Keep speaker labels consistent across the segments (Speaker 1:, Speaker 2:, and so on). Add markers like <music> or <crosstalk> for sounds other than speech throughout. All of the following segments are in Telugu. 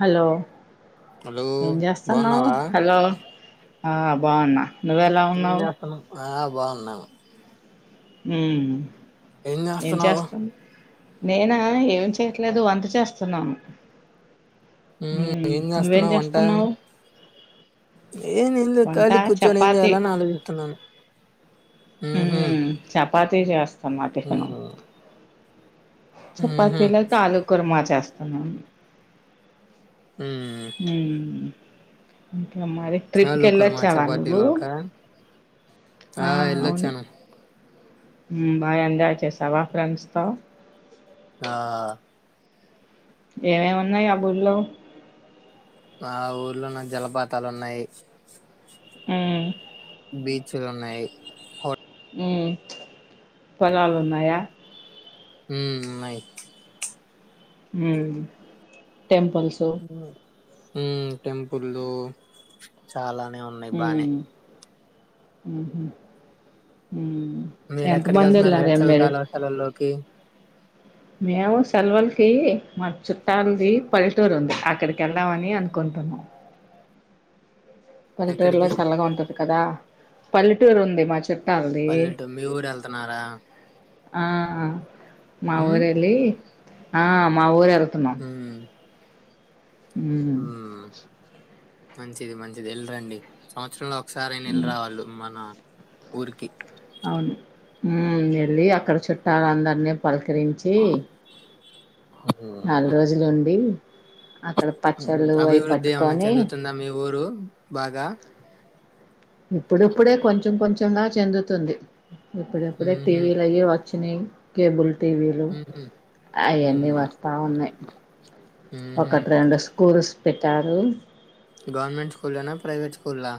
Speaker 1: హలో
Speaker 2: హలో
Speaker 1: ఏం జేస్తున్నావ్
Speaker 2: బాగున్నావా
Speaker 1: హలో ఆ బాగున్నా నువ్వెలా
Speaker 2: ఏం
Speaker 1: ఉన్నావ్
Speaker 2: చేస్తున్నావ్ ఆ బాగున్నాను
Speaker 1: హు మ్మ్
Speaker 2: ఎంజెస్తున్నావ్
Speaker 1: నేనా ఏం చేయట్లేదు వంట చేస్తున్నాను
Speaker 2: ఉమ్
Speaker 1: మ్మ్
Speaker 2: ఏం
Speaker 1: నువ్వేం చేస్తున్నావు
Speaker 2: ఏంది ఎం లెద్
Speaker 1: వంట
Speaker 2: ఖాళీ గ్ కూర్చొని ఏం
Speaker 1: చపాతి
Speaker 2: జేయ్యాలని ఆలోచిస్తున్నాను ఉహు
Speaker 1: మ్మ్ చేపాతీ చేస్తాన్న టిఫిను
Speaker 2: ఉహు
Speaker 1: చేపతిలోకి ఆలు కుర్మా చేస్తాన్నాను
Speaker 2: ఉమ్
Speaker 1: మ్మ్ మరి ట్రిప్
Speaker 2: ఆలుకూర మా
Speaker 1: కేలోచ్చావా నువ్వు
Speaker 2: చపాతీలోక ఆ ఎళ్ళోచ్చాను
Speaker 1: మ్మ్ బాగా ఎంజాయ్ చేసావా ఫ్రెండ్స్తో
Speaker 2: ఆ
Speaker 1: ఏమేమున్నాయి ఆ ఊర్లో
Speaker 2: మా ఊర్లోన జలపాతాలున్నాయి
Speaker 1: మ్మ్
Speaker 2: బీచ్చులున్నాయి హోట్
Speaker 1: మ్మ్ పోలాలున్నాయ
Speaker 2: మ్మ్ ఉన్నాయి
Speaker 1: మ్మ్ టెంపుల్సు
Speaker 2: మ్మ్ టెంపుల్లు చాలానే ఉన్నాయి బానే
Speaker 1: మ్మ్ హు మ్మ్
Speaker 2: మీరేక్కడికేళ్తున్నారు వెసవి కాలం సెలవుల్లోకి
Speaker 1: మేవు సెల్వుల్కి మా చుట్టాలది పల్లెటూరు ఉంది అక్కడికేళ్ళాదమని అనుకుం టున్నం పల్లెటూర్లో
Speaker 2: ఎక్కడికి
Speaker 1: చల్లగా ఉంటది కదా పల్లెటూరుంది మా చెప్
Speaker 2: పల్లెటూర్ మీ ఊరేళ్తున్నారా
Speaker 1: ఆహా మా ఊరెళ్ళి ఆ మా ఊరెల్
Speaker 2: మ్మ్
Speaker 1: మ్మ్
Speaker 2: మంచిది మంచిది ఏళ్ళిరండి సంవత్సరంలో ఒకసరైనా
Speaker 1: ఉమ్,
Speaker 2: ఎళ్ళిరా వాలి మన ఊరికి
Speaker 1: అవును మ్మ్ ఏళ్ళి అక్కడ చుట్టాలందరినీ పలకరించి నల్రోజులుండి
Speaker 2: మ్మ్ అభివృద్ధి ఏమన్నా
Speaker 1: పట్టుకొని
Speaker 2: చెందుతుందా మీ ఊరు బాగా
Speaker 1: ఇప్పుడిప్పుడే కొంచెం కొంచెంగా చెందుతుంది ఇప్పుడిప్పుడే
Speaker 2: ఉహు,
Speaker 1: టీవీలయ్యి ఓచ్చినయి కేబుల్ టీవీలు
Speaker 2: ఉహు,
Speaker 1: అయ్యన్ని
Speaker 2: ఉమ్,
Speaker 1: వస్తా ఉన్నాయి
Speaker 2: ఉహు.
Speaker 1: ఒకట్రెండు స్కూర్స్ పెట్టారు
Speaker 2: గర్నమెంట్ స్కూల్లోన ప్రైవేట్ స్కూలా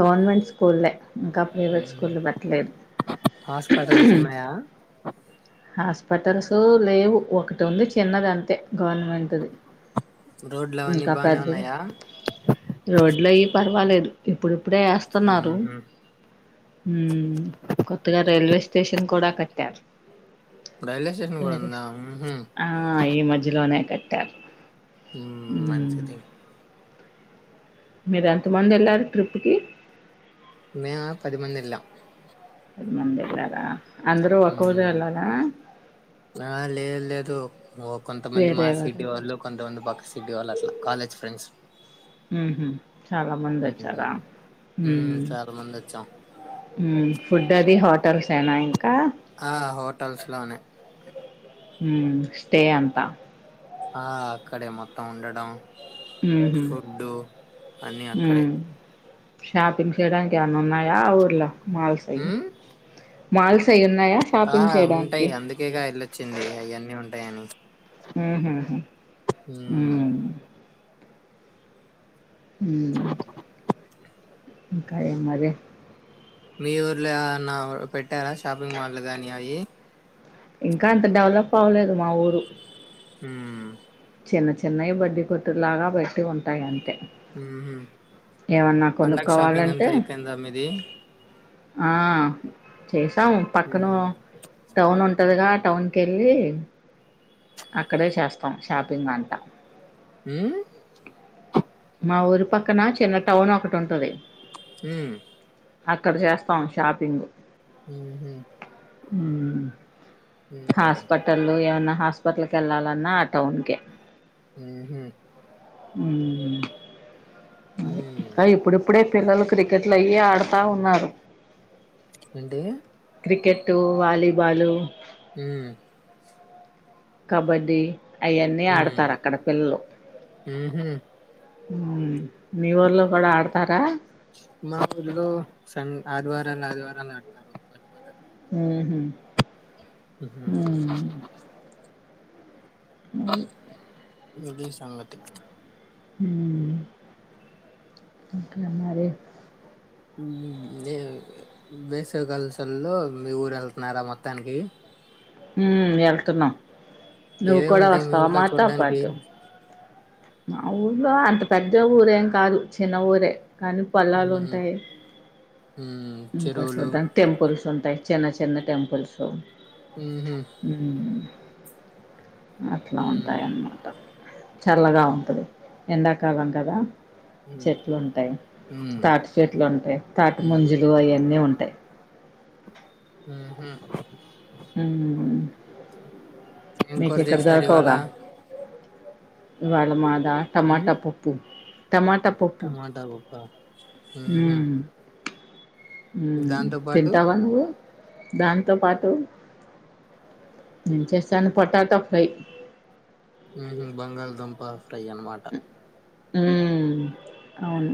Speaker 1: గవర్నమెంట్ స్కూల్లె ఇంకా ప్రైవేట్
Speaker 2: ఉహు.
Speaker 1: స్కూల్ పెట్టలేదు
Speaker 2: హాస్పిటల్స్ ఉన్నాయా
Speaker 1: హాస్పిటల్స్ లేవు ఒకటుంది చిన్నది అంతే గవర్నమెంట్ది
Speaker 2: రోడ్లు అవన్నీ
Speaker 1: ఇంకా
Speaker 2: బానే
Speaker 1: పెద్దది
Speaker 2: ఉన్నాయా
Speaker 1: రోడ్లయ్ పర్వాలేదు ఇప్పుడు ఇప్పుడే వేస్తున్నారు
Speaker 2: ఉహు.
Speaker 1: ఉ కొత్తగా రైల్వే స్ స్టేషన్ కూడా కట్టారు
Speaker 2: రైల్వే స్టేషన్ కూడా ఉందా ఉహు.
Speaker 1: ఆ ఇమధ్యలోనే కట్టారు
Speaker 2: ఉ
Speaker 1: మ్మ్
Speaker 2: మంచిది
Speaker 1: మీరు ఎంత మంది వెళ్ళారు ట్రిప్కి
Speaker 2: మేమ పదిమంది వెళ్ళాం
Speaker 1: పది మంది ఎలారా అందరూ ఒక్క ఊరి
Speaker 2: ఉమ్,
Speaker 1: వాళ్లేనా
Speaker 2: ఆ లే లేదు కొంతమంది
Speaker 1: వేరే
Speaker 2: మా
Speaker 1: ఎవరు
Speaker 2: సిటీ వాళ్ళు కొంతమంది పక్క సిటీ వాళ్ళు అట్లా కాలేజ్ ఫ్రెండ్స్
Speaker 1: ఉ హు చాలా మంది వచ్చారా
Speaker 2: ఉమ్ ఉమ్ చాలా మంది వచ్చాం
Speaker 1: ఉ ఫుడ్ అది హోటల్స్ ఎన ఇంకా
Speaker 2: ఆ హోటల్స్ లోనే
Speaker 1: ఉ స్టే అంతా
Speaker 2: ఆ అక్కడే మొత్తం ఉండడం
Speaker 1: మ్మ్ హ్మ్
Speaker 2: ఫుడ్డు అన్నీ అక్కడే
Speaker 1: మ్మ్ షాపింగ్ చేయడానికి ఏమన్న ఉన్నాయా ఆ ఊర్లా మాల్స్ అవి
Speaker 2: ఉమ్
Speaker 1: మాల్స్ అయి ఉన్నాయా
Speaker 2: ఆ
Speaker 1: షాపింగ్
Speaker 2: ఉంటాయి
Speaker 1: చేయడానికి
Speaker 2: అందుకేగా ఎల్ళొచ్చింది అయన్నీ ఉంటాయని
Speaker 1: ఉహ్ హు ఉ
Speaker 2: ఉమ్
Speaker 1: ఉ ఇంకా ఎం మరి
Speaker 2: మీ ఊర్లో ఎవన్న పెట్టారా షాపింగ్ మాల్ గాని అవి
Speaker 1: ఇంకా అంత డెవలప్ అవ్వలేదు మా ఊరు
Speaker 2: ఉ
Speaker 1: చిన్న చిన్నవి బడ్డి కొట్టులాగా బట్టి ఉంటాయి అంతె
Speaker 2: ఉహ్ పండక్ షాపింగ్ అంత
Speaker 1: కొనుక్కోవాలంటే
Speaker 2: అయిపోయిందా మీది
Speaker 1: ఆ చేసాం పక్కనో
Speaker 2: ఉమ్
Speaker 1: టౌన్ ఉంటదిగా టౌన్ కెళ్ళి అక్కడే చేస్తాం షాపింగ్ అంటా
Speaker 2: ఉ
Speaker 1: మా ఊరి పక్కన చిన్న టౌన్ ఒకటి ఉంటది
Speaker 2: ఉ
Speaker 1: అక్కడ చేస్తాం షాపింగ్
Speaker 2: ఉహు
Speaker 1: ఉ
Speaker 2: ఉహు
Speaker 1: హాస్పిటల్ ఏవనా హాస్పిటల్కి వెళ్ళాలన్నా ఆ టౌన్ కె
Speaker 2: ఉ హు
Speaker 1: ఉ
Speaker 2: ఉమ్
Speaker 1: ఇంకా ఇప్పుడిప్పుడే పిల్లలు క్రికెట్లు అయ్యి ఆడతా ఉన్నారు
Speaker 2: ఏంటి
Speaker 1: క్రికెట్టు వాలీబాలు
Speaker 2: ఉ
Speaker 1: కబడ్డీ అయన్నీ
Speaker 2: ఉమ్
Speaker 1: ఆడతారు అక్కడ పిల్లలు ఉ
Speaker 2: మామూలు సన్ ఆదివారం పిల్లలు అదివారాలు ఆడుతారు <unintelligible>
Speaker 1: మ్ హు
Speaker 2: మ్ హు
Speaker 1: మరి
Speaker 2: ఇది సంగతి
Speaker 1: ఉ ఇంక మరి
Speaker 2: ఉమ్ ఎ వేసవి కాలం సెలవుల్లో మీ ఊరెళ్తున్నారా మొత్తానికి
Speaker 1: ఉ వెళ్తున్నాం నువ్వు
Speaker 2: ఏవేమి
Speaker 1: కూడా
Speaker 2: ఉంటాయి మీ
Speaker 1: వస్తవా
Speaker 2: ఊర్లో
Speaker 1: మాతో
Speaker 2: చూడ్డానికి
Speaker 1: పాటు మా ఊర్లో అంత పెద్ద ఊరేం కాదు చిన్న ఊరే కానీ
Speaker 2: ఉహు
Speaker 1: పోలాలుంటాయ్
Speaker 2: ఉమ్
Speaker 1: ఇంకా
Speaker 2: చెరువులు
Speaker 1: చూడ్డానికి టెంపుల్స్ ఉంటాయి చిన్న చిన్న టెంపుల్స్
Speaker 2: ఉహు
Speaker 1: మ్ అట్లా
Speaker 2: ఉమ్
Speaker 1: ఉంటాయన్నమాట చల్లగా ఉంటది ఎండాకాలం కదా
Speaker 2: ఉమ్
Speaker 1: చెట్లుంటాయ్
Speaker 2: ఉమ్
Speaker 1: తాటి చెట్లు ఉంటాయి తాటి
Speaker 2: ఉమ్
Speaker 1: మంజులు అవన్నీ ఉంటాయి
Speaker 2: మ్ హు
Speaker 1: మ్
Speaker 2: ఏం కూర
Speaker 1: మీకిక్కడ
Speaker 2: చేశారు
Speaker 1: దొరకవ్
Speaker 2: ఇవాళ
Speaker 1: గా ఇవ్వల మాదా
Speaker 2: ఉమ్
Speaker 1: టమాటా పప్పు
Speaker 2: టమాటా పప్ప
Speaker 1: హు మ్ మ్
Speaker 2: దాంతో పాటు
Speaker 1: తింటావా నువ్వు దానితో పాటు ఎం చేసాను పొటాటో ఫ్రై
Speaker 2: మ్ హు బంగాళదుంప ఫ్రై అన్నమాట
Speaker 1: మ్ అవును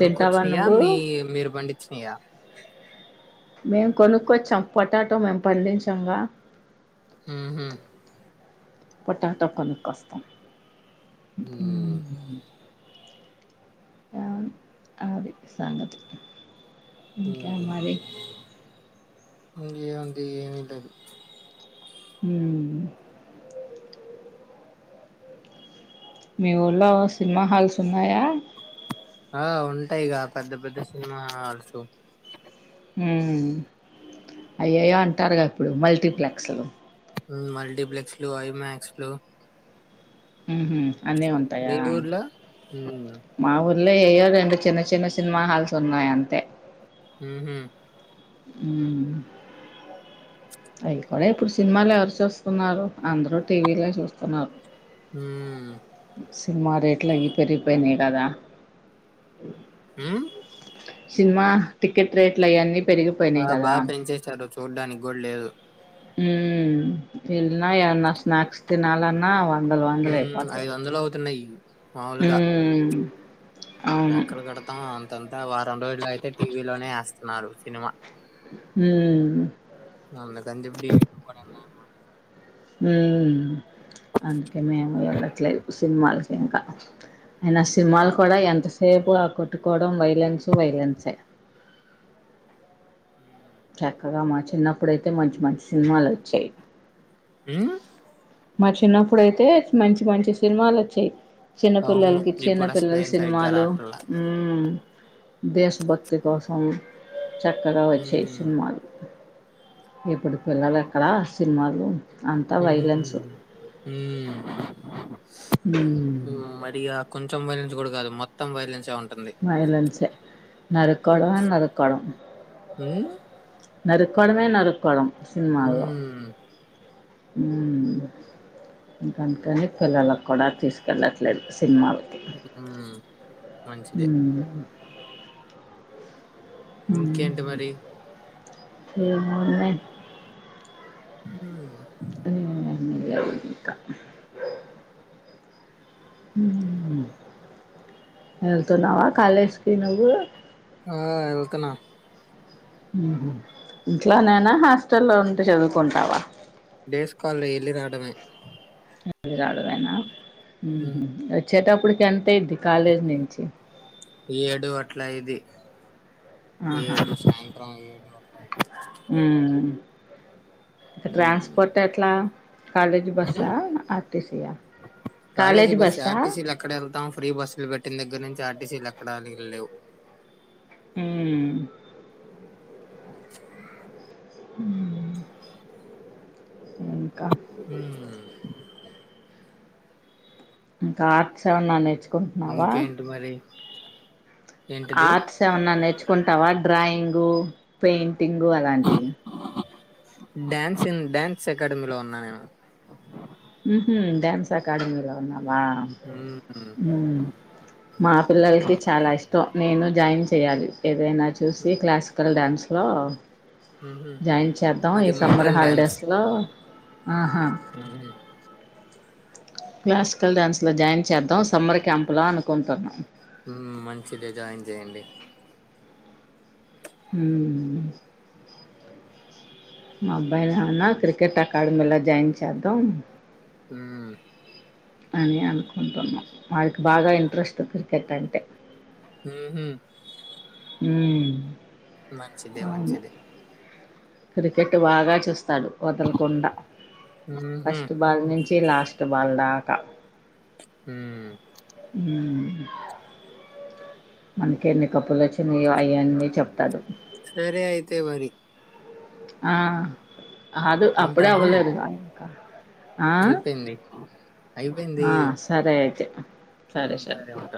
Speaker 1: తింటావా నువ్వు
Speaker 2: మీ మీరు పండించినయా
Speaker 1: మేము కొనుక్కొచ్చాం పొటాటో మేము పండించం గా
Speaker 2: మ్ హు
Speaker 1: పొటాటో కొనుక్కోస్తం
Speaker 2: మ్
Speaker 1: ఆవున్ ఆది సంగతి ఇంకా
Speaker 2: మ్
Speaker 1: మరి
Speaker 2: ఇంకేముంది ఏమి లేదు
Speaker 1: మ్ మీ ఊళ్ళో సినిమా హాల్స్ ఉన్నాయా
Speaker 2: ఆ ఉంటాయిగా పెద్ద పెద్ద సినిమా హాల్స్
Speaker 1: హు మ్ అయ్యేయ్యొ అంటారుగా ఇప్పుడు మల్టీప్లెక్స్లు
Speaker 2: మ్ మల్టీప్లెక్స్లు ఐమాక్స్లు
Speaker 1: మ్ హు అన్నీ
Speaker 2: మీ
Speaker 1: ఉంటాయా
Speaker 2: ఊర్లో మ్
Speaker 1: మా ఊర్లో ఏయో రెండు చిన్న చిన్న సినిమా హాల్స్ ఉన్నాయంతే
Speaker 2: మ్ హు
Speaker 1: మ్ అవి కూడా ఇప్పుడు సినిమాలెవరు చూస్తున్నారు అందరూ టీవీలె చూస్తున్నారు
Speaker 2: మ్
Speaker 1: సినిమా రేట్లవి పెరిగిపోయినాయి కదా
Speaker 2: మ్
Speaker 1: సినిమా టికెట్ రేట్లయన్ని
Speaker 2: ఆ బాగా పెంచేేశారు చూడ్డానికి కూడా లేదు
Speaker 1: మ్ మీయున్న ఎమ్మన స్ స్నాక్స్ తినాలన్న వందలు
Speaker 2: మ్
Speaker 1: వందలైపోతయ్
Speaker 2: ఐదు వందలు అవుతున్నాయి
Speaker 1: హు
Speaker 2: మాములుగా
Speaker 1: మ్
Speaker 2: ఎక్కడ కడుతాం అంతంతా వారం రోజులు అగితే టీవీలోనే ఎస్తున్నారు సినిమా
Speaker 1: హు మ్
Speaker 2: అందుకని చెప్పి <unintelligible> కూడా మానేసామ్
Speaker 1: మ్ అందుకే మేము వెళ్ళట్లేదు సినిమాలకింకా అయినా ఆ సినిమాలు కూడా ఎంత సేపు ఆ కొట్టుకోవడం వైలెన్సు వైలెన్సే చక్కగా మా చిన్నప్పుడైతే మంచి మంచి సినిమాలొచ్చేయ్
Speaker 2: మ్మ్
Speaker 1: తిన్నప్పుడైతే మంచి మంచి సినిమాలోచ్చేయ్
Speaker 2: అవును
Speaker 1: చిన్నపిల్లల్కి
Speaker 2: ఇప్పుడు అసలు
Speaker 1: చిన్నపిల్లల్
Speaker 2: ఏం సరిగ్గా
Speaker 1: సిన్మాలు
Speaker 2: రావట్లా
Speaker 1: మ్ దేశభక్తి కోసం చక్కగా వచ్చేయ్
Speaker 2: ఉమ్
Speaker 1: సిన్మాలు ఇప్పుడు పిల్లలేక్కల సిన్మాలు
Speaker 2: మ్ హు మ్
Speaker 1: ఉమ్
Speaker 2: మరి ఇగ కొంచం వైలెన్స్ గుడ గాదు మొత్తం వైలిన్సే ఉన్
Speaker 1: వైలన్సే నరుక్కోవాడమ నరుక్కోవడం
Speaker 2: ఉమ్
Speaker 1: నరుక్కోవడమే నరుక్కోవడం
Speaker 2: హు మ్మ్
Speaker 1: హుమ్ ఇంకందుకనె పిల్లలక్ కూడా తీసుకెళ్ళట్లేదు స్ సిన్మాల్కి
Speaker 2: ఉమ్ మంచిదే
Speaker 1: హుమ్ హుమ్
Speaker 2: ఇంకేంటి మరి
Speaker 1: ఏమోన్నే
Speaker 2: హూ
Speaker 1: మిల్గవ్ ఇంక హు మ్ ఎళ్తున్నావా కాలేజ్కి నువ్వు
Speaker 2: ఆ వెళ్తున్నా
Speaker 1: హుమ్ ఇంట్లనేనా హాస్టల్లో ఉండి చదుకుంటావ
Speaker 2: డేస్కాల్ ఎల్లీ రాడమే
Speaker 1: ఎల్లిరాడమేన మ్ హు
Speaker 2: ఉమ్
Speaker 1: ఒచ్చేటప్పుడ్క్ ఎంతయిద్ది కాలేజ్ నుంచి
Speaker 2: ఏడు అట్ల అయిద్ది ఏడు సాయంత్రం ఏడు అట్ల అయిద్ది
Speaker 1: మ్ ఇంక
Speaker 2: ఉమ్
Speaker 1: ట్రాన్స్పోర్ట్ ఎట్లా కాలేజి బస్సా ఆర్ టి సిఆ
Speaker 2: కాలేజీ బస్సే ఆర్టీసీలొ ఎక్కడేళ్తాం ఫ్రీ బస్సులు పెట్టిన దగ్గర నుంచి ఆర్ టిసిలేక్కడాల్ ఇల్ లేవ్
Speaker 1: మ్మ్ హుమ్
Speaker 2: హూ మ్
Speaker 1: ఇంక ఆర్ట్స్ సేమన్న నేర్
Speaker 2: ఇంకేంటి మరి ఏంటిది
Speaker 1: ఆర్ట్స్ ఏమన్నా నేర్చుకుంటావ డ్రాయింగు పెయింటింగు అలాంటియి
Speaker 2: డాన్సింగ్ డ్యాన్స్ అకాడమీలో ఉన్నా నేను
Speaker 1: మ్ హు డాన్స్ అకాడమీలో ఉన్నా వా
Speaker 2: హ్మ్
Speaker 1: మ్ మా పిల్లలకి చాలా ఇష్టం నేను జాయిన్ చెయ్యాలి ఏదైనా చూసి క్లాసికల్ డాన్స్లో
Speaker 2: ఊహూ
Speaker 1: జాయిన్ చేద్దాం ఈ
Speaker 2: అది
Speaker 1: సమ్మర్
Speaker 2: మోడ్రన్ డ్యాన్స్
Speaker 1: హాల్డేస్సులో ఆహా క్లాసికల్ డ్యాన్స్లో జాయిన్ చేద్దాం సమ్మర్ క్యాంప్ లో అనుకుంటున్నామ్
Speaker 2: మ్ మంచిదే జాయిన్ చేయ్యండి
Speaker 1: హుమ్ మా అబ్బాయిలను ఏమన్న క్రికెట్ అకాడమీలో జాయిన్ చేద్దామ్
Speaker 2: హుమ్
Speaker 1: అని అన్కుంటున్న వాడికి బాగా ఇంట్రెస్ట్ క్రికెట్ అంటే
Speaker 2: మ్ హు
Speaker 1: మ్
Speaker 2: మంచిదె మంచిదె
Speaker 1: క్రికెట్ బాగా చూస్తాడు వదల్కుండా
Speaker 2: ఊహూ
Speaker 1: ఫస్ట్ బాల్ నుం చి లాస్ట్ బల్ దాక
Speaker 2: హూ మ్
Speaker 1: మనకేన్ని కప్పులోచ్చినయో అయన్ని చెప్తాడు
Speaker 2: సరే ఐతే మరి
Speaker 1: ఆ కాదు అప్పుడే
Speaker 2: ఉంటాను
Speaker 1: అవ్వలేదుగా ఇంకా ఆ
Speaker 2: అయిపోయింది
Speaker 1: అ సరే అయితే
Speaker 2: మ్మ్ సరే ఉంట